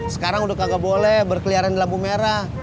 sekarang udah nggak boleh berkeliaran di lambung merah